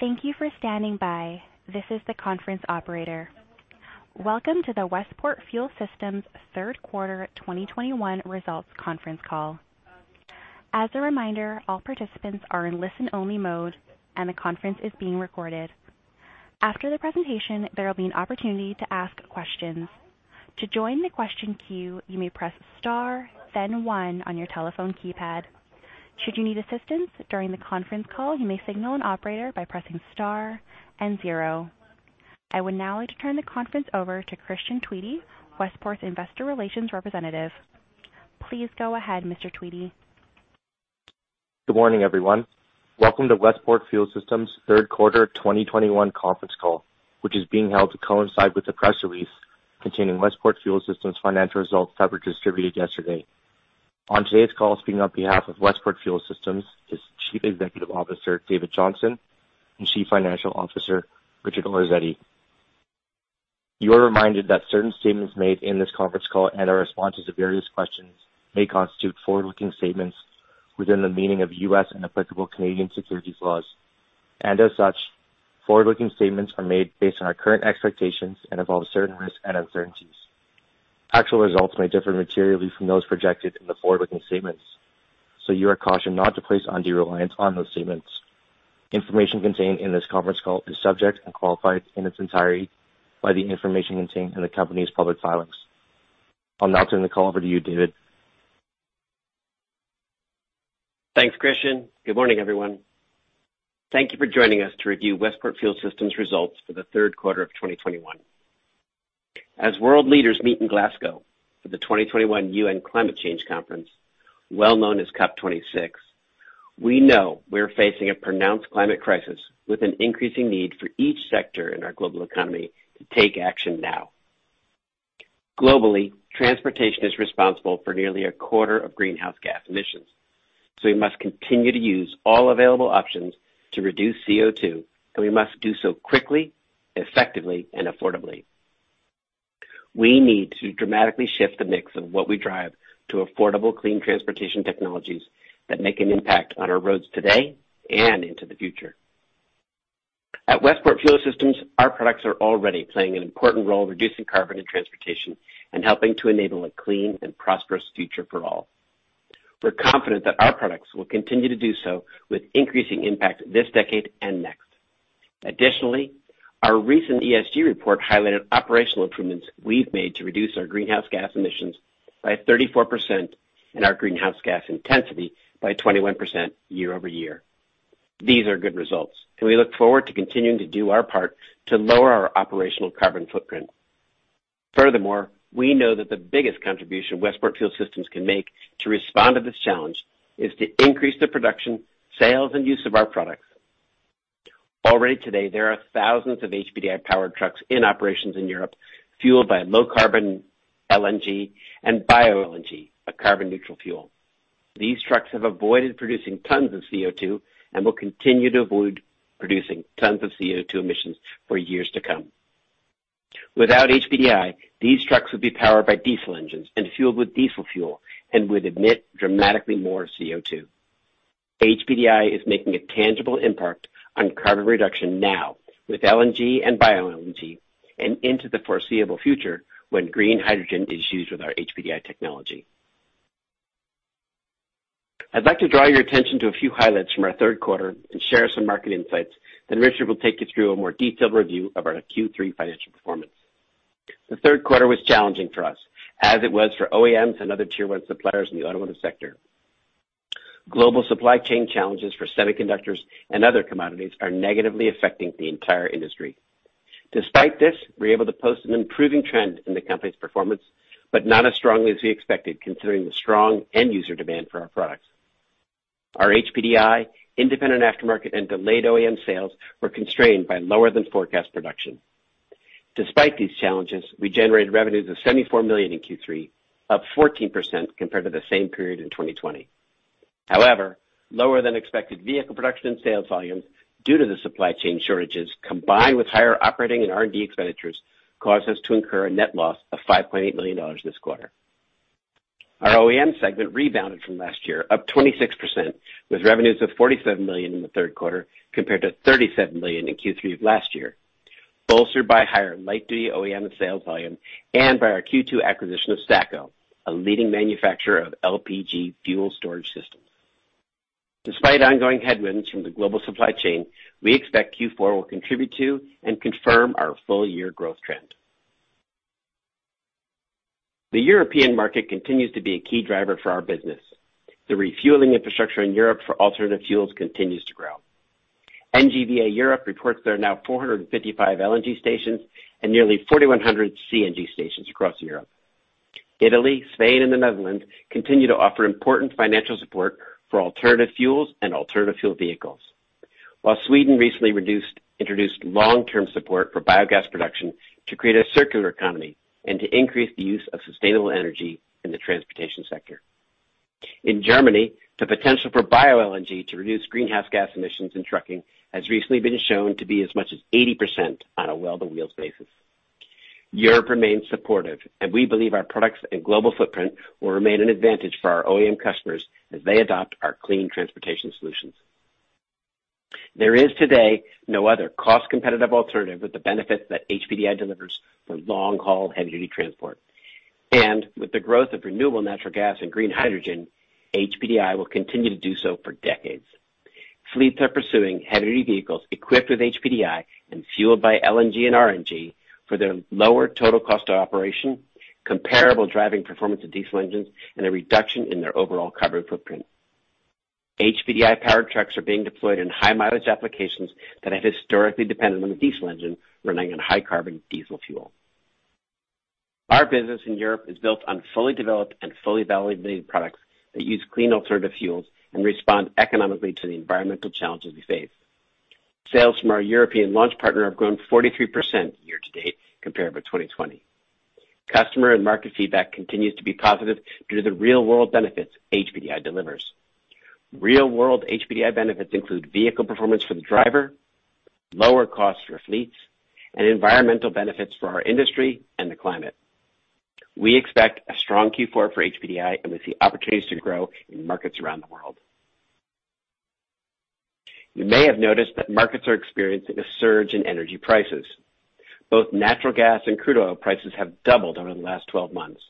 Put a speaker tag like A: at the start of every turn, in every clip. A: Thank you for standing by. This is the conference operator. Welcome to the Westport Fuel Systems third quarter 2021 results conference call. As a reminder, all participants are in listen-only mode, and the conference is being recorded. After the presentation, there will be an opportunity to ask questions. To join the question queue, you may press star then one on your telephone keypad. Should you need assistance during the conference call, you may signal an operator by pressing star and zero. I would now like to turn the conference over to Christian Tweedy, Westport's investor relations representative. Please go ahead, Mr. Tweedy.
B: Good morning, everyone. Welcome to Westport Fuel Systems third quarter 2021 conference call, which is being held to coincide with the press release containing Westport Fuel Systems financial results coverage distributed yesterday. On today's call, speaking on behalf of Westport Fuel Systems is Chief Executive Officer, David Johnson, and Chief Financial Officer, Richard Orazietti. You are reminded that certain statements made in this conference call and our responses to various questions may constitute forward-looking statements within the meaning of U.S. and applicable Canadian securities laws. As such, forward-looking statements are made based on our current expectations and involve certain risks and uncertainties. Actual results may differ materially from those projected in the forward-looking statements, so you are cautioned not to place undue reliance on those statements. Information contained in this conference call is subject and qualified in its entirety by the information contained in the company's public filings. I'll now turn the call over to you, David.
C: Thanks, Christian. Good morning, everyone. Thank you for joining us to review Westport Fuel Systems results for the third quarter of 2021. As world leaders meet in Glasgow for the 2021 UN Climate Change Conference, well known as COP26, we know we're facing a pronounced climate crisis with an increasing need for each sector in our global economy to take action now. Globally, transportation is responsible for nearly a quarter of greenhouse gas emissions, so we must continue to use all available options to reduce CO2, and we must do so quickly, effectively, and affordably. We need to dramatically shift the mix of what we drive to affordable, clean transportation technologies that make an impact on our roads today and into the future. At Westport Fuel Systems, our products are already playing an important role reducing carbon in transportation and helping to enable a clean and prosperous future for all. We're confident that our products will continue to do so with increasing impact this decade and next. Additionally, our recent ESG report highlighted operational improvements we've made to reduce our greenhouse gas emissions by 34% and our greenhouse gas intensity by 21% year-over-year. These are good results, and we look forward to continuing to do our part to lower our operational carbon footprint. Furthermore, we know that the biggest contribution Westport Fuel Systems can make to respond to this challenge is to increase the production, sales, and use of our products. Already today, there are thousands of HPDI powered trucks in operations in Europe fueled by low-carbon LNG and bioLNG, a carbon-neutral fuel. These trucks have avoided producing tons of CO2 and will continue to avoid producing tons of CO2 emissions for years to come. Without HPDI, these trucks would be powered by diesel engines and fueled with diesel fuel and would emit dramatically more CO2. HPDI is making a tangible impact on carbon reduction now with LNG and bioLNG and into the foreseeable future when green hydrogen is used with our HPDI technology. I'd like to draw your attention to a few highlights from our third quarter and share some market insights, then Richard will take you through a more detailed review of our Q3 financial performance. The third quarter was challenging for us as it was for OEMs and other tier one suppliers in the automotive sector. Global supply chain challenges for semiconductors and other commodities are negatively affecting the entire industry. Despite this, we're able to post an improving trend in the company's performance, but not as strongly as we expected, considering the strong end user demand for our products. Our HPDI, independent aftermarket, and delayed OEM sales were constrained by lower than forecast production. Despite these challenges, we generated revenues of $74 million in Q3, up 14% compared to the same period in 2020. However, lower than expected vehicle production and sales volumes due to the supply chain shortages, combined with higher operating and R&D expenditures, caused us to incur a net loss of $5.8 million this quarter. Our OEM segment rebounded from last year, up 26%, with revenues of $47 million in the third quarter compared to $37 million in Q3 of last year, bolstered by higher light duty OEM sales volume and by our Q2 acquisition of Stako, a leading manufacturer of LPG fuel storage systems. Despite ongoing headwinds from the global supply chain, we expect Q4 will contribute to and confirm our full-year growth trend. The European market continues to be a key driver for our business. The refueling infrastructure in Europe for alternative fuels continues to grow. NGVA Europe reports there are now 455 LNG stations and nearly 4,100 CNG stations across Europe. Italy, Spain, and the Netherlands continue to offer important financial support for alternative fuels and alternative fuel vehicles. While Sweden recently introduced long-term support for biogas production to create a circular economy and to increase the use of sustainable energy in the transportation sector. In Germany, the potential for bioLNG to reduce greenhouse gas emissions in trucking has recently been shown to be as much as 80% on a well-to-wheels basis. Europe remains supportive, and we believe our products and global footprint will remain an advantage for our OEM customers as they adopt our clean transportation solutions. There is today no other cost-competitive alternative with the benefits that HPDI delivers for long-haul heavy-duty transport. With the growth of renewable natural gas and green hydrogen, HPDI will continue to do so for decades. Fleets are pursuing heavy-duty vehicles equipped with HPDI and fueled by LNG and RNG for their lower total cost of operation, comparable driving performance of diesel engines, and a reduction in their overall carbon footprint. HPDI powered trucks are being deployed in high mileage applications that have historically depended on a diesel engine running on high carbon diesel fuel. Our business in Europe is built on fully developed and fully validated products that use clean alternative fuels and respond economically to the environmental challenges we face. Sales from our European launch partner have grown 43% year to date compared with 2020. Customer and market feedback continues to be positive due to the real world benefits HPDI delivers. Real world HPDI benefits include vehicle performance for the driver, lower costs for fleets, and environmental benefits for our industry and the climate. We expect a strong Q4 for HPDI, and we see opportunities to grow in markets around the world. You may have noticed that markets are experiencing a surge in energy prices. Both natural gas and crude oil prices have doubled over the last 12 months.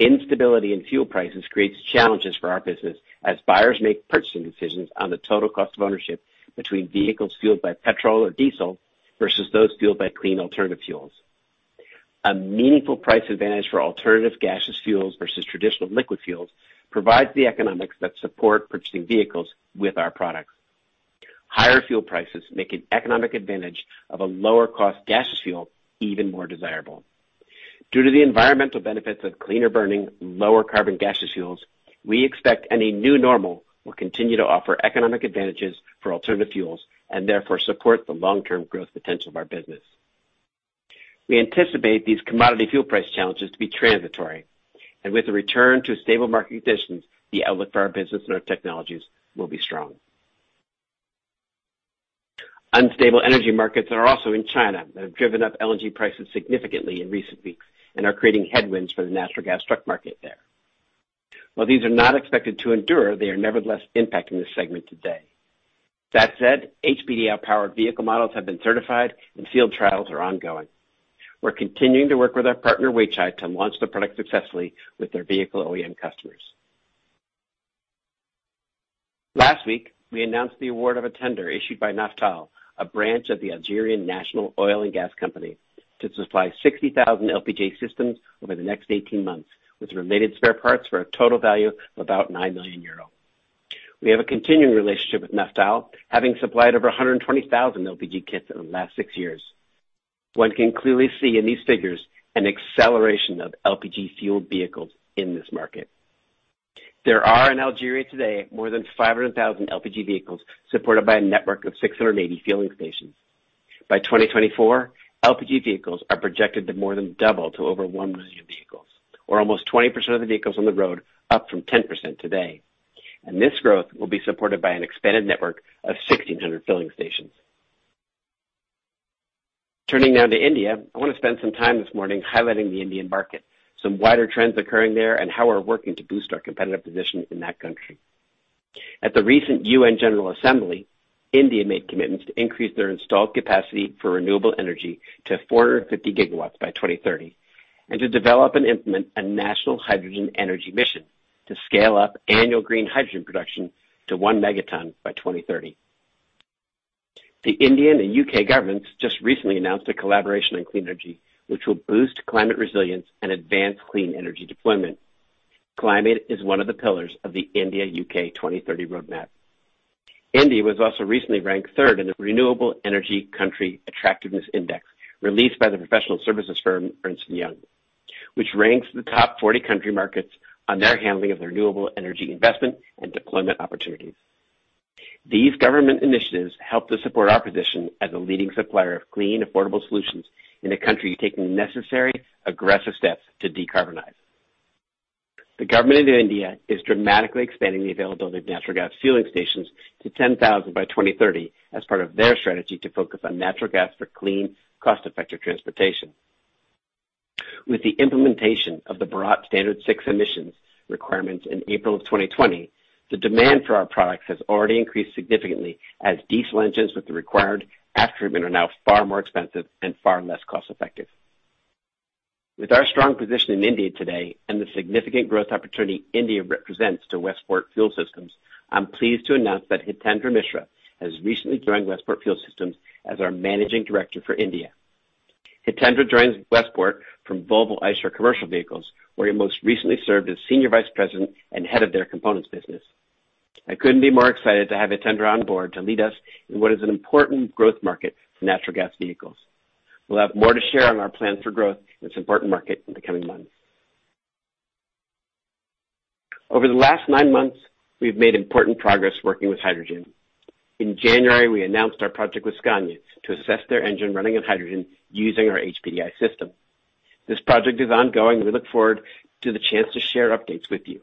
C: Instability in fuel prices creates challenges for our business as buyers make purchasing decisions on the total cost of ownership between vehicles fueled by petrol or diesel versus those fueled by clean alternative fuels. A meaningful price advantage for alternative gaseous fuels versus traditional liquid fuels provides the economics that support purchasing vehicles with our products. Higher fuel prices make an economic advantage of a lower cost gaseous fuel even more desirable. Due to the environmental benefits of cleaner burning, lower carbon gaseous fuels, we expect any new normal will continue to offer economic advantages for alternative fuels and therefore support the long-term growth potential of our business. We anticipate these commodity fuel price challenges to be transitory, and with a return to stable market conditions, the outlook for our business and our technologies will be strong. Unstable energy markets are also in China that have driven up LNG prices significantly in recent weeks and are creating headwinds for the natural gas truck market there. While these are not expected to endure, they are nevertheless impacting this segment today. That said, HPDI powered vehicle models have been certified and field trials are ongoing. We're continuing to work with our partner, Weichai, to launch the product successfully with their vehicle OEM customers. Last week, we announced the award of a tender issued by Naftal, a branch of Sonatrach, to supply 60,000 LPG systems over the next 18 months with related spare parts for a total value of about 9 million euro. We have a continuing relationship with Naftal, having supplied over 120,000 LPG kits in the last 6 years. One can clearly see in these figures an acceleration of LPG fueled vehicles in this market. There are in Algeria today more than 500,000 LPG vehicles supported by a network of 680 fueling stations. By 2024, LPG vehicles are projected to more than double to over 1 million vehicles, or almost 20% of the vehicles on the road, up from 10% today. This growth will be supported by an expanded network of 1,600 filling stations. Turning now to India, I want to spend some time this morning highlighting the Indian market, some wider trends occurring there, and how we're working to boost our competitive position in that country. At the recent UN General Assembly, India made commitments to increase their installed capacity for renewable energy to 450 GW by 2030, and to develop and implement a national hydrogen energy mission to scale up annual green hydrogen production to one megaton by 2030. The Indian and U.K. governments just recently announced a collaboration on clean energy, which will boost climate resilience and advance clean energy deployment. Climate is one of the pillars of the India-U.K. 2030 roadmap. India was also recently ranked third in the Renewable Energy Country Attractiveness Index, released by the professional services firm, Ernst & Young, which ranks the top 40 country markets on their handling of the renewable energy investment and deployment opportunities. These government initiatives help to support our position as a leading supplier of clean, affordable solutions in a country taking necessary, aggressive steps to decarbonize. The government of India is dramatically expanding the availability of natural gas fueling stations to 10,000 by 2030 as part of their strategy to focus on natural gas for clean, cost-effective transportation. With the implementation of the Bharat Stage VI emissions requirements in April 2020, the demand for our products has already increased significantly as diesel engines with the required attribute are now far more expensive and far less cost effective. With our strong position in India today and the significant growth opportunity India represents to Westport Fuel Systems, I'm pleased to announce that Hitendra Mishra has recently joined Westport Fuel Systems as our managing director for India. Hitendra joins Westport from VE Commercial Vehicles, where he most recently served as senior vice president and head of their components business. I couldn't be more excited to have Hitendra on board to lead us in what is an important growth market for natural gas vehicles. We'll have more to share on our plans for growth in this important market in the coming months. Over the last nine months, we've made important progress working with hydrogen. In January, we announced our project with Scania to assess their engine running on hydrogen using our HPDI system. This project is ongoing, and we look forward to the chance to share updates with you.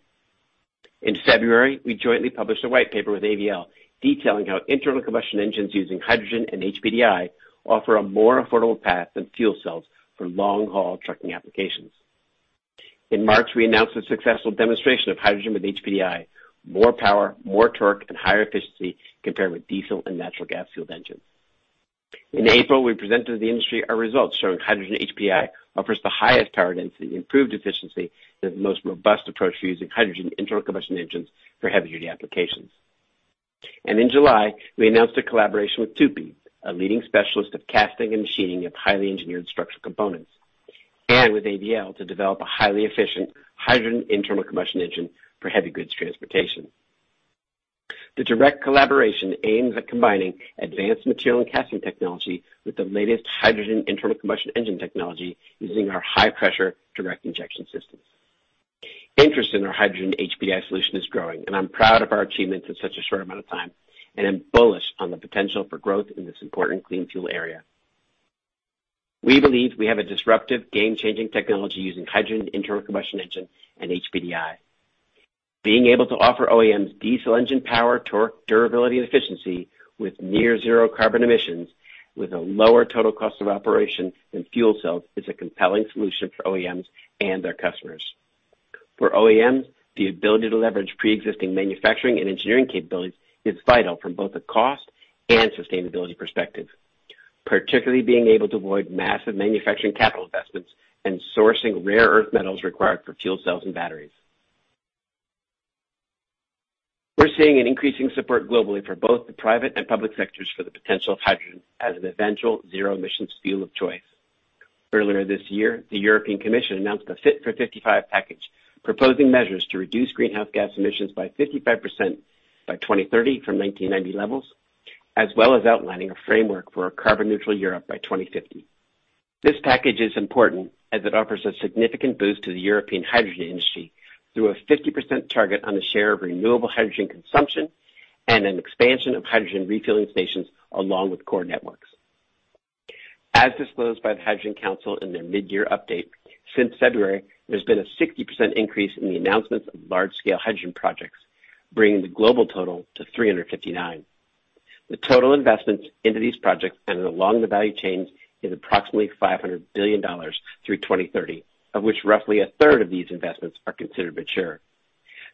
C: In February, we jointly published a white paper with AVL detailing how internal combustion engines using hydrogen and HPDI offer a more affordable path than fuel cells for long haul trucking applications. In March, we announced the successful demonstration of hydrogen with HPDI, more power, more torque, and higher efficiency compared with diesel and natural gas-fueled engines. In April, we presented to the industry our results showing hydrogen HPDI offers the highest power density, improved efficiency, and the most robust approach to using hydrogen internal combustion engines for heavy-duty applications. In July, we announced a collaboration with Tupy, a leading specialist of casting and machining of highly engineered structural components, and with AVL to develop a highly efficient hydrogen internal combustion engine for heavy goods transportation. The direct collaboration aims at combining advanced material and casting technology with the latest hydrogen internal combustion engine technology using our high-pressure direct injection systems. Interest in our hydrogen HPDI solution is growing, and I'm proud of our achievements in such a short amount of time, and I'm bullish on the potential for growth in this important clean fuel area. We believe we have a disruptive game-changing technology using hydrogen internal combustion engine and HPDI. Being able to offer OEMs diesel engine power, torque, durability, and efficiency with near zero carbon emissions with a lower total cost of operation than fuel cells is a compelling solution for OEMs and their customers. For OEMs, the ability to leverage pre-existing manufacturing and engineering capabilities is vital from both a cost and sustainability perspective, particularly being able to avoid massive manufacturing capital investments and sourcing rare earth metals required for fuel cells and batteries. We're seeing an increasing support globally for both the private and public sectors for the potential of hydrogen as an eventual zero emissions fuel of choice. Earlier this year, the European Commission announced a Fit for 55 package, proposing measures to reduce greenhouse gas emissions by 55% by 2030 from 1990 levels, as well as outlining a framework for a carbon neutral Europe by 2050. This package is important as it offers a significant boost to the European hydrogen industry through a 50% target on the share of renewable hydrogen consumption and an expansion of hydrogen refueling stations along with core networks. As disclosed by the Hydrogen Council in their mid-year update, since February, there's been a 60% increase in the announcements of large-scale hydrogen projects, bringing the global total to 359. The total investments into these projects and along the value chain is approximately $500 billion through 2030, of which roughly a third of these investments are considered mature.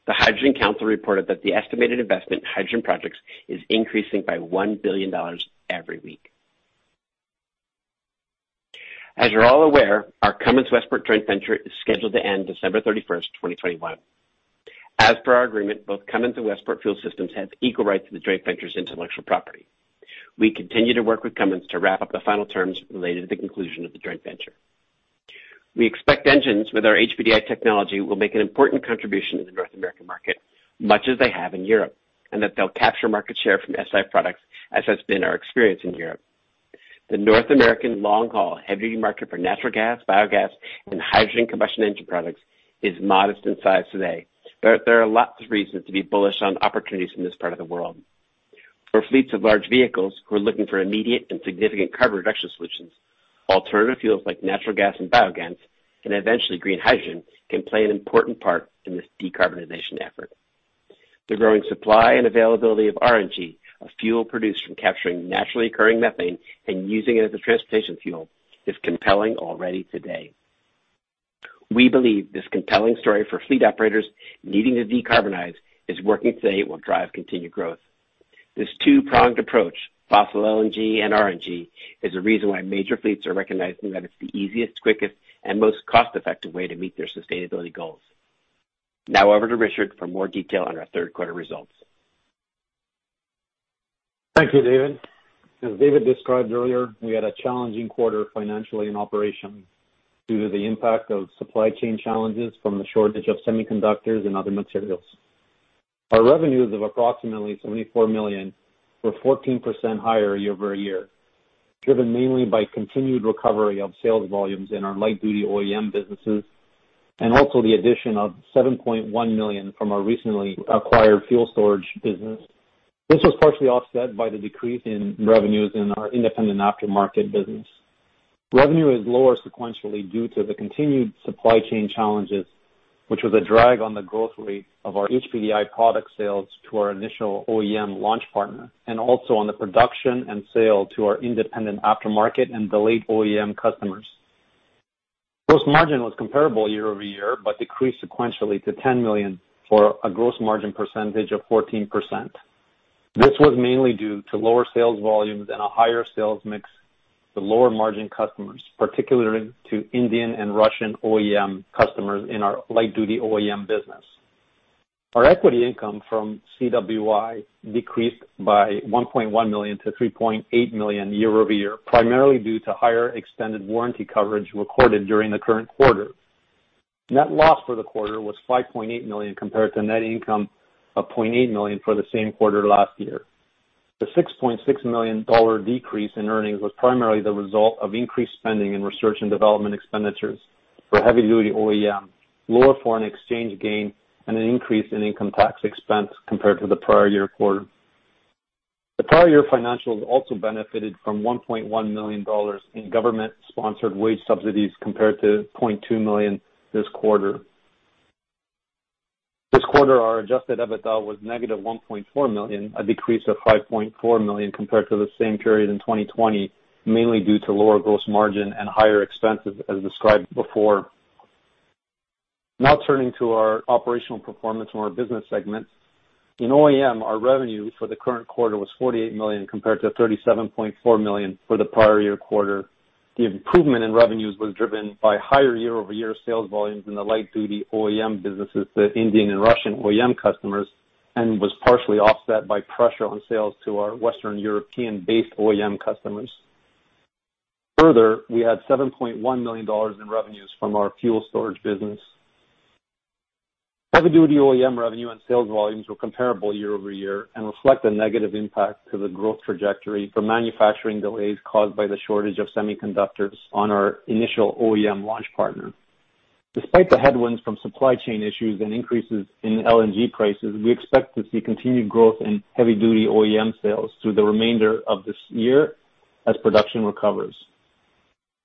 C: The Hydrogen Council reported that the estimated investment in hydrogen projects is increasing by $1 billion every week. As you're all aware, our Cummins Westport joint venture is scheduled to end December 31, 2021. As per our agreement, both Cummins and Westport Fuel Systems have equal rights to the joint venture's intellectual property. We continue to work with Cummins to wrap up the final terms related to the conclusion of the joint venture. We expect engines with our HPDI technology will make an important contribution to the North American market, much as they have in Europe, and that they'll capture market share from SI products, as has been our experience in Europe. The North American long-haul heavy market for natural gas, biogas, and hydrogen combustion engine products is modest in size today. There are lots of reasons to be bullish on opportunities in this part of the world. For fleets of large vehicles who are looking for immediate and significant carbon reduction solutions, alternative fuels like natural gas and biogas, and eventually green hydrogen, can play an important part in this decarbonization effort. The growing supply and availability of RNG, a fuel produced from capturing naturally occurring methane and using it as a transportation fuel, is compelling already today. We believe this compelling story for fleet operators needing to decarbonize is working today and will drive continued growth. This two pronged approach, fossil LNG and RNG, is a reason why major fleets are recognizing that it's the easiest, quickest, and most cost-effective way to meet their sustainability goals. Now over to Richard for more detail on our third quarter results.
D: Thank you, David. As David described earlier, we had a challenging quarter financially and operationally due to the impact of supply chain challenges from the shortage of semiconductors and other materials. Our revenues of approximately $74 million were 14% higher year-over-year, driven mainly by continued recovery of sales volumes in our light-duty OEM businesses and also the addition of $7.1 million from our recently acquired fuel storage business. This was partially offset by the decrease in revenues in our independent aftermarket business. Revenue is lower sequentially due to the continued supply chain challenges, which was a drag on the growth rate of our HPDI product sales to our initial OEM launch partner and also on the production and sale to our independent aftermarket and delayed OEM customers. Gross margin was comparable year-over-year, but decreased sequentially to $10 million for a gross margin percentage of 14%. This was mainly due to lower sales volumes and a higher sales mix to lower margin customers, particularly to Indian and Russian OEM customers in our light-duty OEM business. Our equity income from CWI decreased by $1.1 million to $3.8 million year-over-year, primarily due to higher extended warranty coverage recorded during the current quarter. Net loss for the quarter was $5.8 million compared to net income of $0.8 million for the same quarter last year. The $6.6 million decrease in earnings was primarily the result of increased spending in research and development expenditures for heavy-duty OEM, lower foreign exchange gain, and an increase in income tax expense compared to the prior year quarter. The prior year financials also benefited from $1.1 million in government-sponsored wage subsidies compared to $0.2 million this quarter. This quarter, our adjusted EBITDA was negative $1.4 million, a decrease of $5.4 million compared to the same period in 2020, mainly due to lower gross margin and higher expenses as described before. Now turning to our operational performance in our business segments. In OEM, our revenue for the current quarter was $48 million compared to $37.4 million for the prior year quarter. The improvement in revenues was driven by higher year-over-year sales volumes in the light-duty OEM businesses to Indian and Russian OEM customers, and was partially offset by pressure on sales to our Western European-based OEM customers. Further, we had $7.1 million in revenues from our fuel storage business. Heavy-duty OEM revenue and sales volumes were comparable year-over-year and reflect a negative impact to the growth trajectory from manufacturing delays caused by the shortage of semiconductors on our initial OEM launch partner. Despite the headwinds from supply chain issues and increases in LNG prices, we expect to see continued growth in heavy-duty OEM sales through the remainder of this year as production recovers.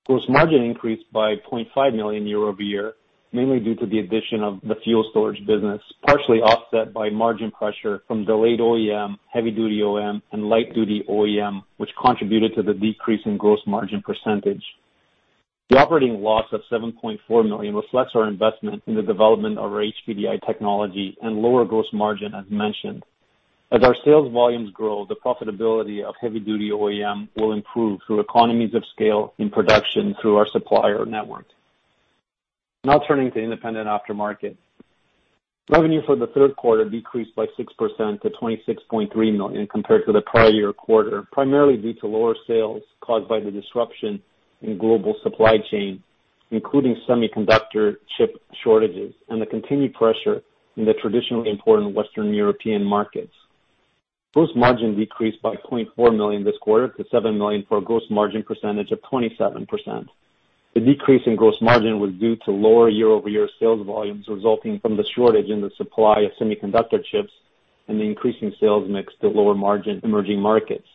D: Gross margin increased by $0.5 million year-over-year, mainly due to the addition of the fuel storage business, partially offset by margin pressure from delayed OEM, heavy-duty OEM, and light-duty OEM, which contributed to the decrease in gross margin percentage. The operating loss of $7.4 million reflects our investment in the development of our HPDI technology and lower gross margin, as mentioned. As our sales volumes grow, the profitability of heavy duty OEM will improve through economies of scale in production through our supplier network. Now turning to independent aftermarket. Revenue for the third quarter decreased by 6% to $26.3 million compared to the prior-year quarter, primarily due to lower sales caused by the disruption in global supply chain, including semiconductor chip shortages and the continued pressure in the traditionally important Western European markets. Gross margin decreased by $0.4 million this quarter to $7 million for a gross margin percentage of 27%. The decrease in gross margin was due to lower year-over-year sales volumes resulting from the shortage in the supply of semiconductor chips and the increasing sales mix to lower margin emerging markets.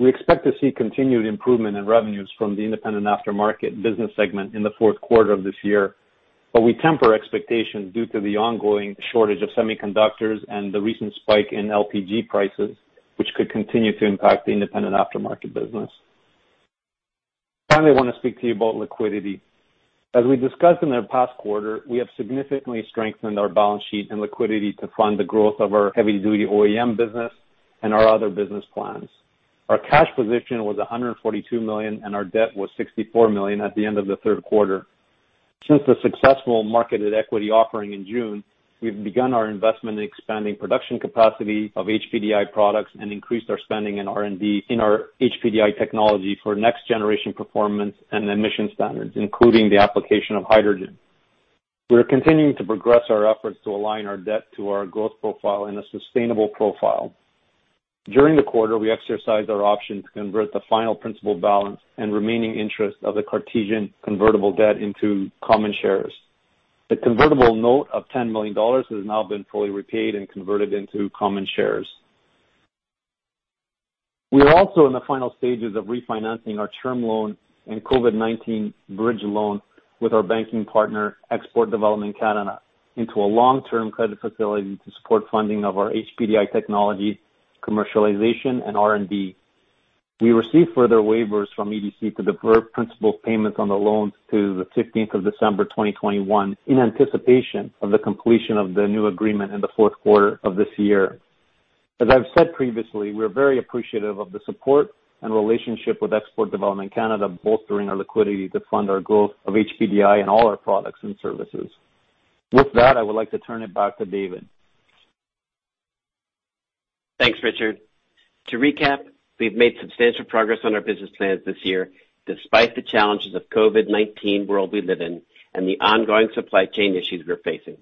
D: We expect to see continued improvement in revenues from the independent aftermarket business segment in the fourth quarter of this year, but we temper expectations due to the ongoing shortage of semiconductors and the recent spike in LPG prices, which could continue to impact the independent aftermarket business. Finally, I want to speak to you about liquidity. As we discussed in the past quarter, we have significantly strengthened our balance sheet and liquidity to fund the growth of our heavy-duty OEM business and our other business plans. Our cash position was $142 million, and our debt was $64 million at the end of the third quarter. Since the successful marketed equity offering in June, we've begun our investment in expanding production capacity of HPDI products and increased our spending in R&D in our HPDI technology for next generation performance and emission standards, including the application of hydrogen. We are continuing to progress our efforts to align our debt to our growth profile in a sustainable profile. During the quarter, we exercised our option to convert the final principal balance and remaining interest of the Cartesian convertible debt into common shares. The convertible note of $10 million has now been fully repaid and converted into common shares. We are also in the final stages of refinancing our term loan and COVID-19 bridge loan with our banking partner, Export Development Canada, into a long-term credit facility to support funding of our HPDI technology commercialization and R&D. We received further waivers from EDC to defer principal payments on the loans to the 15th of December 2021 in anticipation of the completion of the new agreement in the fourth quarter of this year. As I've said previously, we are very appreciative of the support and relationship with Export Development Canada bolstering our liquidity to fund our growth of HPDI and all our products and services. With that, I would like to turn it back to David.
C: Thanks, Richard. To recap, we've made substantial progress on our business plans this year, despite the challenges of COVID-19 world we live in and the ongoing supply chain issues we're facing.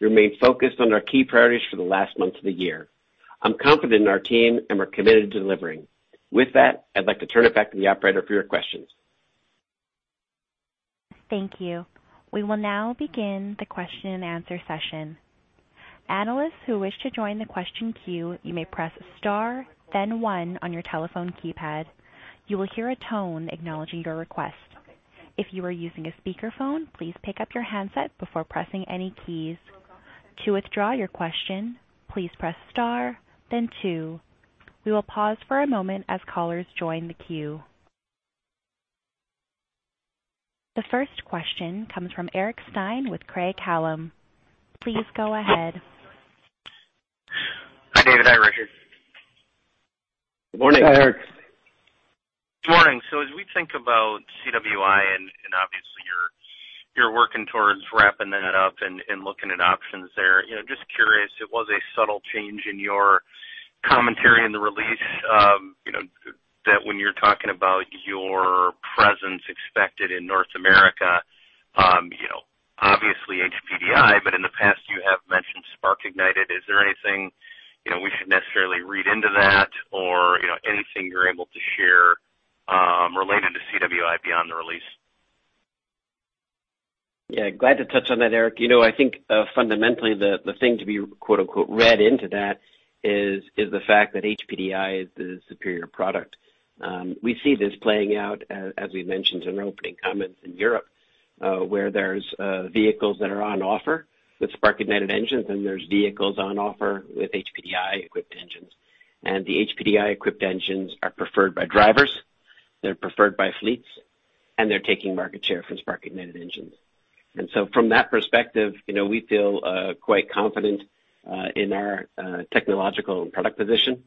C: We remain focused on our key priorities for the last months of the year. I'm confident in our team, and we're committed to delivering. With that, I'd like to turn it back to the operator for your questions.
A: Thank you. We will now begin the question-and-answer session. Analysts who wish to join the question queue, you may press star then one on your telephone keypad. You will hear a tone acknowledging your request. If you are using a speakerphone, please pick up your handset before pressing any keys. To withdraw your question, please press star then two. We will pause for a moment as callers join the queue. The first question comes from Eric Stine with Craig-Hallum Capital Group. Please go ahead.
E: Hi, David. Hi, Richard.
C: Good morning.
D: Hi, Eric.
E: Good morning. As we think about CWI, and obviously you're working towards wrapping that up and looking at options there, you know, just curious, it was a subtle change in your commentary in the release, you know, that when you're talking about your presence expected in North America, you know, obviously HPDI, but in the past, you have mentioned spark-ignited. Is there anything, you know, we should necessarily read into that or, you know, anything you're able to share related to CWI beyond the release?
C: Yeah, glad to touch on that, Eric. You know, I think, fundamentally the thing to be quote unquote read into that is the fact that HPDI is the superior product. We see this playing out as we mentioned in our opening comments in Europe, where there's vehicles that are on offer with spark ignited engines and there's vehicles on offer with HPDI equipped engines. The HPDI equipped engines are preferred by drivers, they're preferred by fleets, and they're taking market share from spark ignited engines. From that perspective, you know, we feel quite confident in our technological and product position.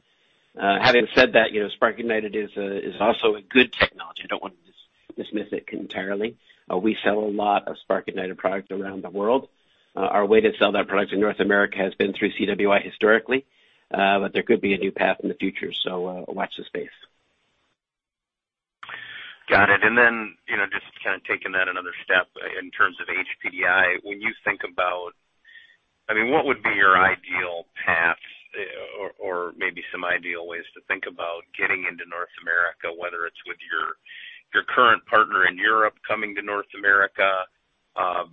C: Having said that, you know, spark ignited is also a good technology. I don't want to dismiss it entirely. We sell a lot of spark ignited product around the world. Our way to sell that product in North America has been through CWI historically, but there could be a new path in the future. Watch the space.
E: Got it. You know, just kind of taking that another step in terms of HPDI. When you think about, I mean, what would be your ideal path or maybe some ideal ways to think about getting into North America, whether it's with your current partner in Europe coming to North America,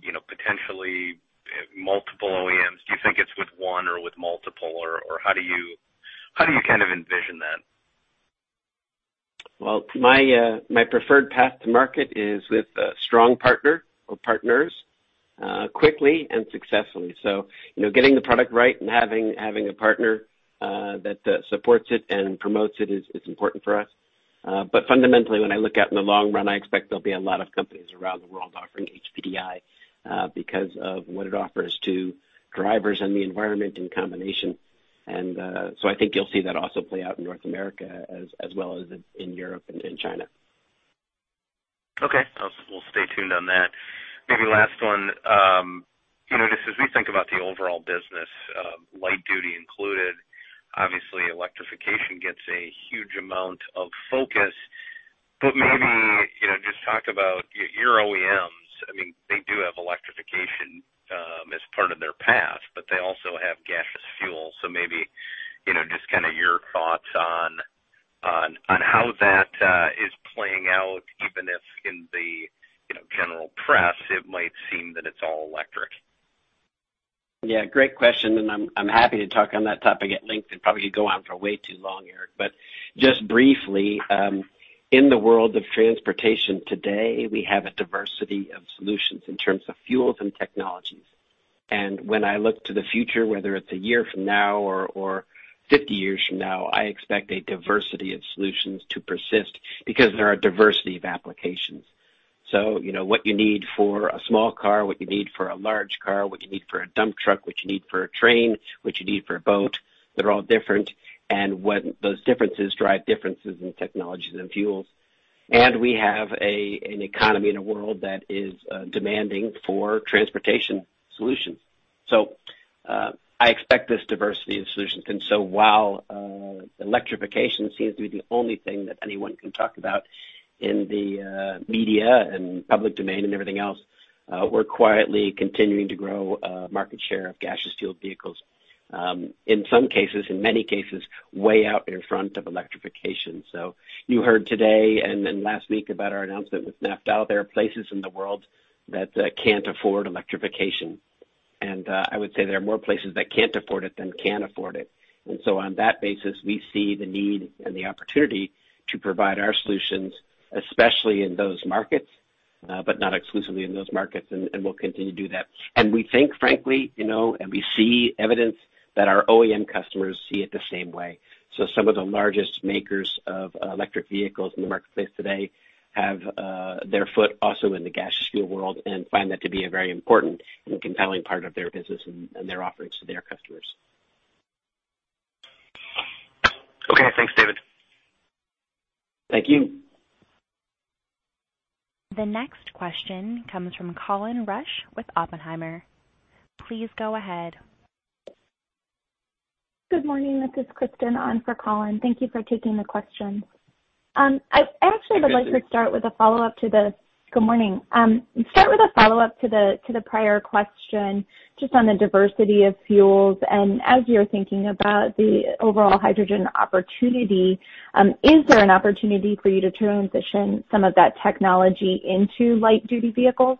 E: you know, potentially multiple OEMs. Do you think it's with one or with multiple or how do you kind of envision that?
C: Well, my preferred path to market is with a strong partner or partners quickly and successfully. You know, getting the product right and having a partner that supports it and promotes it is important for us. But fundamentally, when I look out in the long run, I expect there'll be a lot of companies around the world offering HPDI because of what it offers to drivers and the environment in combination. I think you'll see that also play out in North America as well as in Europe and in China.
E: Okay. We'll stay tuned on that. Maybe last one. You know this, as we think about the overall business, light duty included, obviously electrification gets a huge amount of focus. Maybe, you know, just talk about your OEMs. I mean, they do have electrification, as part of their path, but they also have gaseous fuel. Maybe, you know, just kinda your thoughts on how that is playing out, even if in the general press it might seem that it's all electric.
C: Yeah, great question, and I'm happy to talk on that topic at length and probably could go on for way too long, Eric. Just briefly, in the world of transportation today, we have a diversity of solutions in terms of fuels and technologies. When I look to the future, whether it's a year from now or fifty years from now, I expect a diversity of solutions to persist because there are a diversity of applications. You know what you need for a small car, what you need for a large car, what you need for a dump truck, what you need for a train, what you need for a boat, they're all different. What those differences drive differences in technologies and fuels. We have an economy and a world that is demanding for transportation solutions. I expect this diversity of solutions. While electrification seems to be the only thing that anyone can talk about in the media and public domain and everything else, we're quietly continuing to grow market share of gaseous fueled vehicles, in some cases, in many cases, way out in front of electrification. You heard today and then last week about our announcement with Naftal. There are places in the world that can't afford electrification. I would say there are more places that can't afford it than can afford it. On that basis, we see the need and the opportunity to provide our solutions, especially in those markets, but not exclusively in those markets. We'll continue to do that. We think, frankly, you know, and we see evidence that our OEM customers see it the same way. Some of the largest makers of electric vehicles in the marketplace today have their foot also in the gaseous fuel world and find that to be a very important and compelling part of their business and their offerings to their customers.
E: Okay. Thanks, David.
C: Thank you.
A: The next question comes from Colin Rusch with Oppenheimer. Please go ahead.
F: Good morning. This is Kristen on for Colin. Thank you for taking the question. I actually would like to start with a follow-up to the prior question, just on the diversity of fuels. As you're thinking about the overall hydrogen opportunity, is there an opportunity for you to transition some of that technology into light duty vehicles?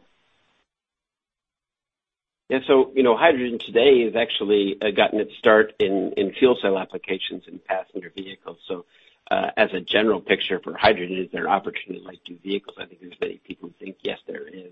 C: Yeah. You know, hydrogen today has actually gotten its start in fuel cell applications in passenger vehicles. As a general picture for hydrogen, is there an opportunity in light duty vehicles? I think there's many people who think yes, there is.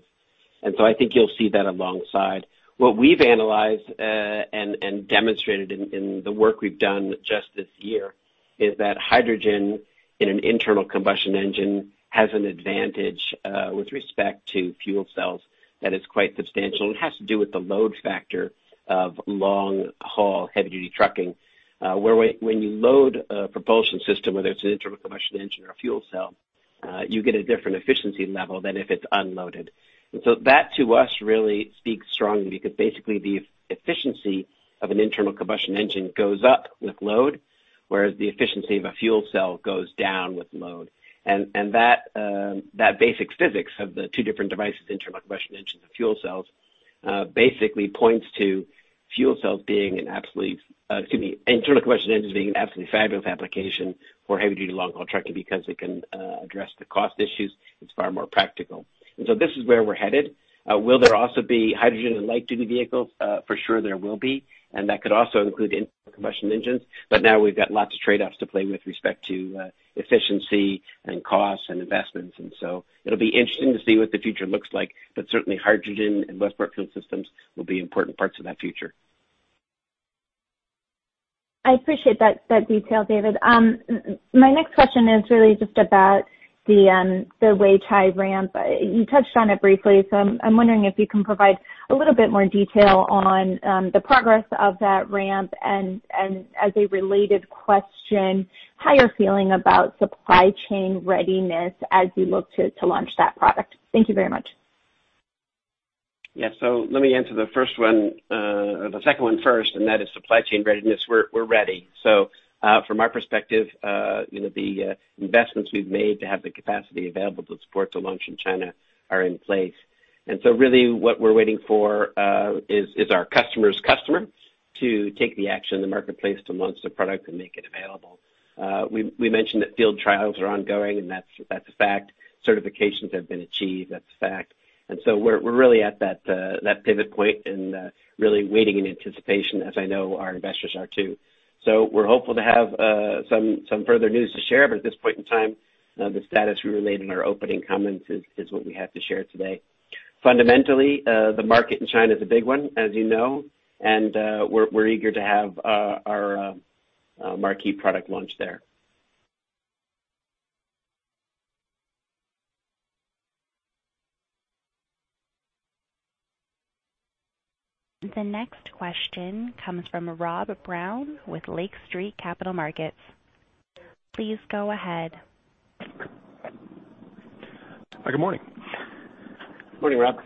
C: I think you'll see that alongside. What we've analyzed and demonstrated in the work we've done just this year is that hydrogen in an internal combustion engine has an advantage with respect to fuel cells that is quite substantial. It has to do with the load factor of long haul heavy duty trucking, where when you load a propulsion system, whether it's an internal combustion engine or a fuel cell, you get a different efficiency level than if it's unloaded. That speaks strongly to us because basically the efficiency of an internal combustion engine goes up with load, whereas the efficiency of a fuel cell goes down with load. That basic physics of the two different devices, internal combustion engines and fuel cells, basically points to internal combustion engines being an absolutely fabulous application for heavy duty long haul trucking because it can address the cost issues. It's far more practical. This is where we're headed. Will there also be hydrogen in light duty vehicles? For sure there will be, and that could also include internal combustion engines. But now we've got lots of trade-offs to play with respect to efficiency and costs and investments. It'll be interesting to see what the future looks like. Certainly hydrogen and Westport Fuel Systems will be important parts of that future.
G: I appreciate that detail, David. My next question is really just about the Weichai ramp. You touched on it briefly, so I'm wondering if you can provide a little bit more detail on the progress of that ramp and as a related question, how you're feeling about supply chain readiness as you look to launch that product. Thank you very much.
C: Yeah. Let me answer the first one, the second one first, and that is supply chain readiness. We're ready. From our perspective, you know, the investments we've made to have the capacity available to support the launch in China are in place. Really what we're waiting for is our customer's customer to take the action in the marketplace to launch the product and make it available. We mentioned that field trials are ongoing, and that's a fact. Certifications have been achieved. That's a fact. We're really at that pivot point and really waiting in anticipation as I know our investors are too. We're hopeful to have some further news to share, but at this point in time, the status we relayed in our opening comments is what we have to share today. Fundamentally, the market in China is a big one, as you know, and we're eager to have our marquee product launch there.
A: The next question comes from Rob Brown with Lake Street Capital Markets. Please go ahead.
H: Hi, good morning.
C: Morning, Rob.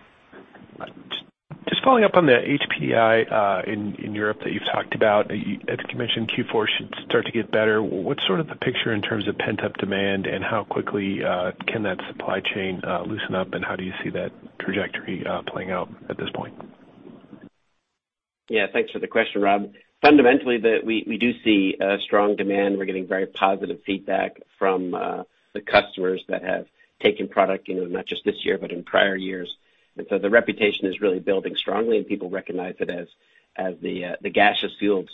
H: Just following up on the HPDI in Europe that you've talked about. As you mentioned, Q4 should start to get better. What's sort of the picture in terms of pent-up demand, and how quickly can that supply chain loosen up, and how do you see that trajectory playing out at this point?
C: Yeah, thanks for the question, Rob. Fundamentally, we do see strong demand. We're getting very positive feedback from the customers that have taken product, you know, not just this year, but in prior years. The reputation is really building strongly, and people recognize it as the gaseous fuels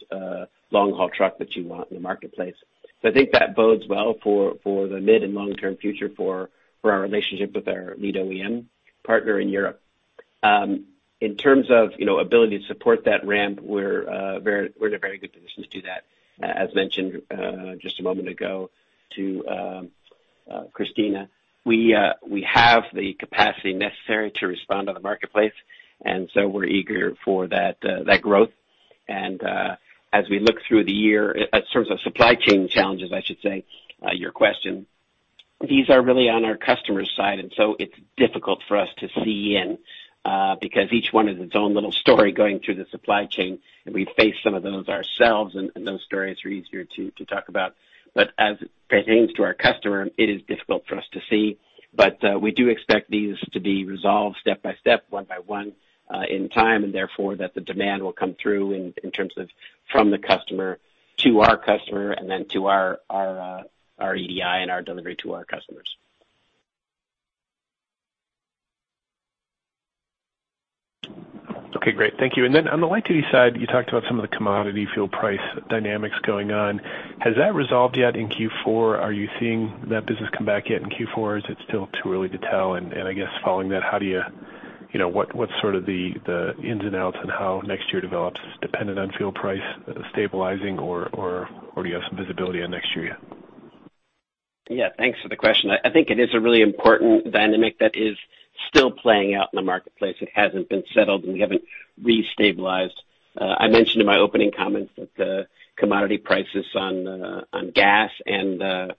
C: long-haul truck that you want in the marketplace. I think that bodes well for the mid and long-term future for our relationship with our lead OEM partner in Europe. In terms of ability to support that ramp, we're in a very good position to do that. As mentioned just a moment ago to Christina, we have the capacity necessary to respond to the marketplace, and we're eager for that growth. As we look through the year, in terms of supply chain challenges, I should say, your question, these are really on our customers' side, and so it's difficult for us to see. Because each one is its own little story going through the supply chain, and we face some of those ourselves, and those stories are easier to talk about. As it pertains to our customer, it is difficult for us to see. We do expect these to be resolved step by step, one by one, in time, and therefore that the demand will come through in terms of from the customer to our customer and then to our EDI and our delivery to our customers.
H: Okay, great. Thank you. On the light duty side, you talked about some of the commodity fuel price dynamics going on. Has that resolved yet in Q4? Are you seeing that business come back yet in Q4, or is it still too early to tell? I guess following that, how do you know, what's sort of the ins and outs on how next year develops dependent on fuel price stabilizing or do you have some visibility on next year yet?
C: Yeah. Thanks for the question. I think it is a really important dynamic that is still playing out in the marketplace. It hasn't been settled, and we haven't restabilized. I mentioned in my opening comments that the commodity prices on gas and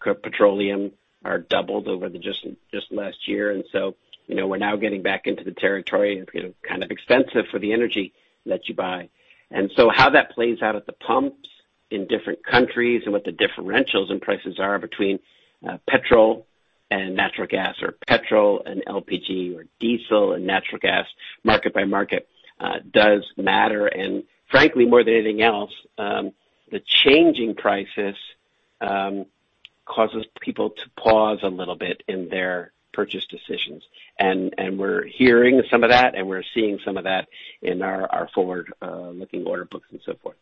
C: petroleum are doubled over the just last year. You know, we're now getting back into the territory of, you know, kind of expensive for the energy that you buy. How that plays out at the pumps in different countries and what the differentials in prices are between petrol and natural gas or petrol and LPG or diesel and natural gas market by market does matter. Frankly, more than anything else, the changing prices causes people to pause a little bit in their purchase decisions. We're hearing some of that, and we're seeing some of that in our forward-looking order books and so forth.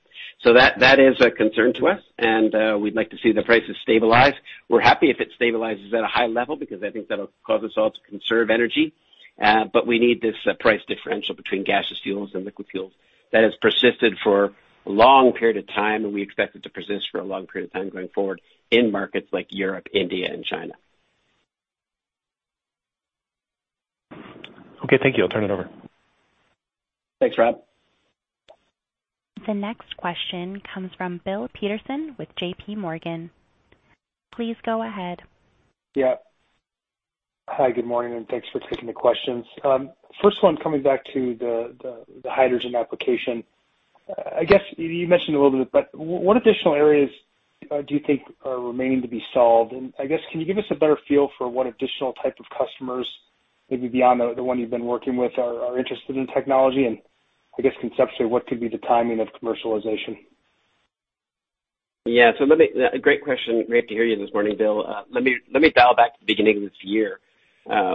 C: That is a concern to us, and we'd like to see the prices stabilize. We're happy if it stabilizes at a high level because I think that'll cause us all to conserve energy, but we need this price differential between gaseous fuels and liquid fuels that has persisted for a long period of time, and we expect it to persist for a long period of time going forward in markets like Europe, India, and China.
H: Okay, thank you. I'll turn it over.
C: Thanks, Rob.
A: The next question comes from Bill Peterson with J.P. Morgan. Please go ahead.
I: Yeah. Hi, good morning, and thanks for taking the questions. First one, coming back to the hydrogen application. I guess you mentioned a little bit, but what additional areas do you think are remaining to be solved? I guess, can you give us a better feel for what additional type of customers maybe beyond the one you've been working with are interested in technology? I guess conceptually, what could be the timing of commercialization?
C: A great question. Great to hear you this morning, Bill. Let me dial back to the beginning of this year,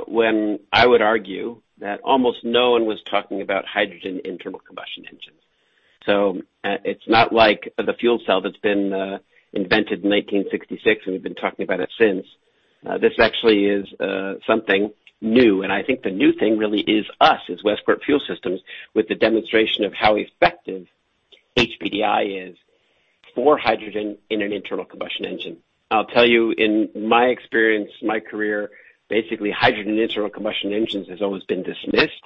C: when I would argue that almost no one was talking about hydrogen in thermal combustion engines. It's not like the fuel cell that's been invented in 1966 and we've been talking about it since. This actually is something new, and I think the new thing really is us, as Westport Fuel Systems, with the demonstration of how effective HPDI is for hydrogen in an internal combustion engine. I'll tell you, in my experience, my career, basically hydrogen internal combustion engines has always been dismissed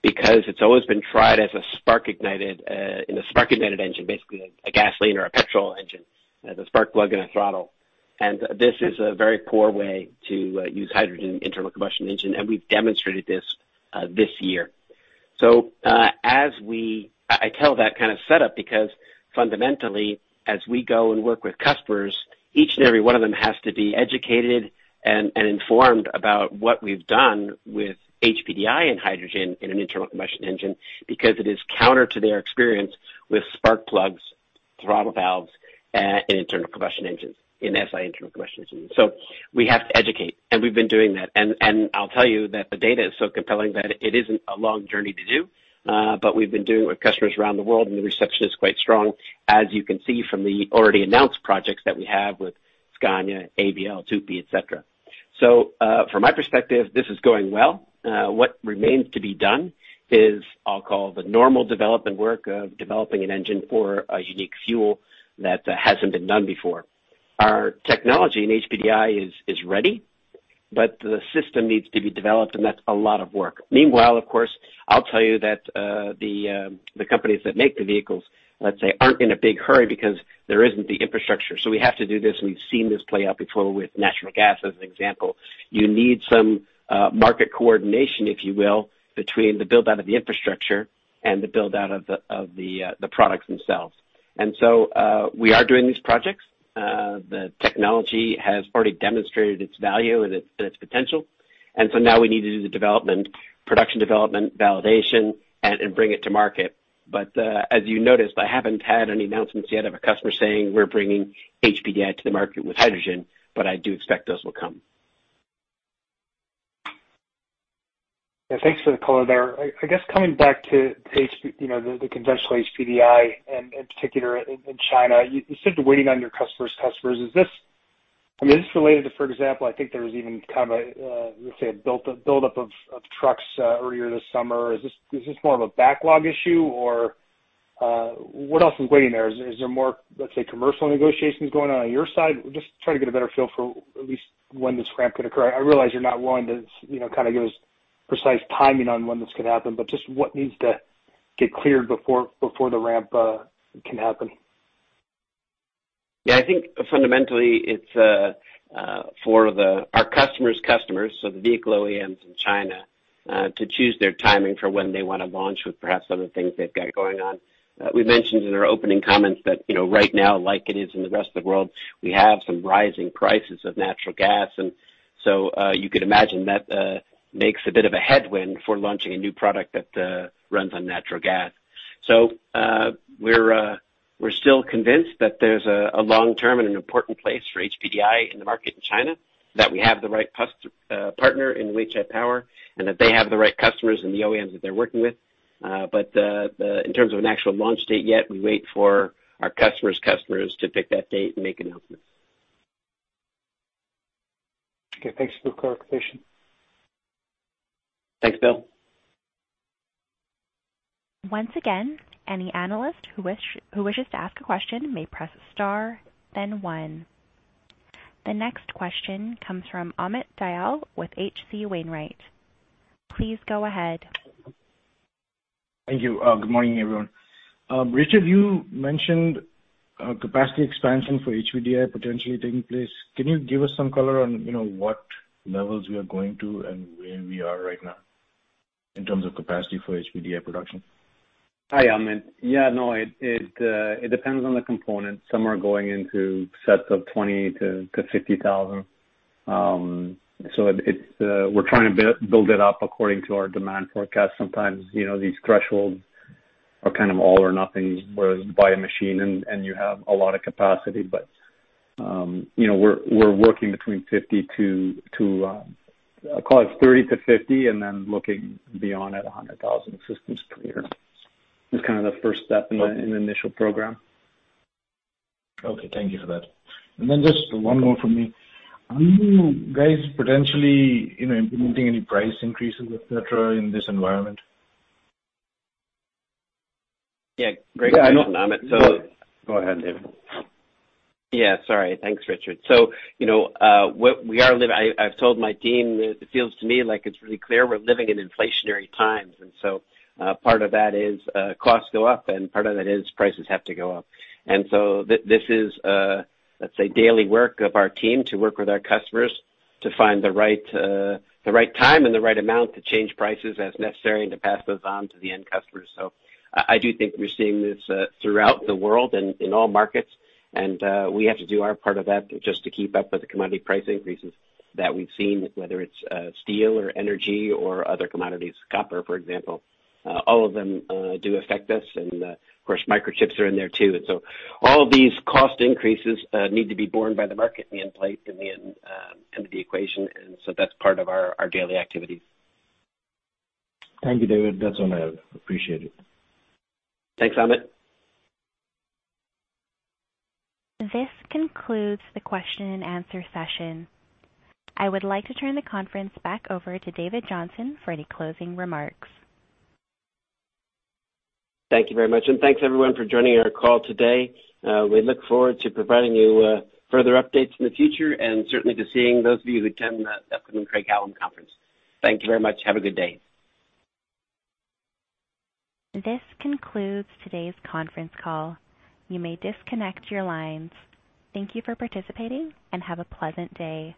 C: because it's always been tried as a spark ignited in a spark ignited engine, basically a gasoline or a petrol engine, as a spark plug and a throttle. This is a very poor way to use hydrogen internal combustion engine, and we've demonstrated this year. As we detail that kind of setup because fundamentally, as we go and work with customers, each and every one of them has to be educated and informed about what we've done with HPDI and hydrogen in an internal combustion engine because it is counter to their experience with spark plugs, throttle valves, and internal combustion engines, in SI internal combustion engines. We have to educate, and we've been doing that. I'll tell you that the data is so compelling that it isn't a long journey to do, but we've been doing with customers around the world, and the reception is quite strong, as you can see from the already announced projects that we have with Scania, AVL, Tupy, et cetera. From my perspective, this is going well. What remains to be done is I'll call the normal development work of developing an engine for a unique fuel that hasn't been done before. Our technology in HPDI is ready, but the system needs to be developed, and that's a lot of work. Meanwhile, of course, I'll tell you that the companies that make the vehicles, let's say, aren't in a big hurry because there isn't the infrastructure. We have to do this, and we've seen this play out before with natural gas as an example. You need some market coordination, if you will, between the build-out of the infrastructure and the build-out of the products themselves. We are doing these projects. The technology has already demonstrated its value and its potential. Now we need to do the development, production development, validation and bring it to market. As you noticed, I haven't had any announcements yet of a customer saying, "We're bringing HPDI to the market with hydrogen," but I do expect those will come.
I: Yeah. Thanks for the color there. I guess coming back to HPDI, you know, the conventional HPDI and in particular in China, you said you're waiting on your customers' customers. Is this? I mean, is this related to, for example, I think there was even kind of a, let's say a build up of trucks earlier this summer. Is this more of a backlog issue or, what else is waiting there? Is there more, let's say, commercial negotiations going on your side? Just trying to get a better feel for at least when this ramp could occur. I realize you're not one to, you know, kind of give us precise timing on when this could happen, but just what needs to get cleared before the ramp can happen.
C: Yeah. I think fundamentally it's for our customers' customers, so the vehicle OEMs in China, to choose their timing for when they wanna launch with perhaps other things they've got going on. We mentioned in our opening comments that, you know, right now, like it is in the rest of the world, we have some rising prices of natural gas. You could imagine that makes a bit of a headwind for launching a new product that runs on natural gas. We're still convinced that there's a long-term and an important place for HPDI in the market in China, that we have the right partner in Weichai Power, and that they have the right customers in the OEMs that they're working with. In terms of an actual launch date yet, we wait for our customers' customers to pick that date and make announcements.
I: Okay. Thanks for the clarification.
C: Thanks, Bill.
A: Once again, any analyst who wishes to ask a question may press star, then one. The next question comes from Amit Dayal with H.C. Wainwright & Co. Please go ahead.
J: Thank you. Good morning, everyone. Richard, you mentioned capacity expansion for HPDI potentially taking place. Can you give us some color on, you know, what levels we are going to and where we are right now in terms of capacity for HPDI production?
D: Hi, Amit. Yeah, no, it depends on the component. Some are going into sets of 20-50 thousand. So we're trying to build it up according to our demand forecast. Sometimes, you know, these thresholds are kind of all or nothing, whereas you buy a machine and you have a lot of capacity. You know, we're working between 30-50 and then looking beyond at 100,000 systems per year. It's kind of the first step in the initial program.
J: Okay. Thank you for that. Just one more from me. Are you guys potentially, you know, implementing any price increases, et cetera, in this environment?
C: Yeah. Great question, Amit.
D: Go ahead, David.
C: Yeah. Sorry. Thanks, Richard. You know, I've told my team it feels to me like it's really clear we're living in inflationary times. Part of that is costs go up and part of that is prices have to go up. This is, let's say, daily work of our team to work with our customers to find the right time and the right amount to change prices as necessary and to pass those on to the end customers. I do think we're seeing this throughout the world and in all markets. We have to do our part of that just to keep up with the commodity price increases that we've seen, whether it's steel or energy or other commodities, copper, for example. All of them do affect us. Of course, microchips are in there too. All these cost increases need to be borne by the market in the end of the equation. That's part of our daily activities.
J: Thank you, David. That's all I have. Appreciate it.
C: Thanks, Amit.
A: This concludes the question and answer session. I would like to turn the conference back over to David Johnson for any closing remarks.
C: Thank you very much, and thanks everyone for joining our call today. We look forward to providing you further updates in the future and certainly to seeing those of you who attend the upcoming Craig-Hallum conference. Thank you very much. Have a good day.
A: This concludes today's conference call. You may disconnect your lines. Thank you for participating and have a pleasant day.